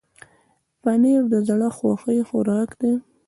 پنېر د زړه خوښي خوراک دی.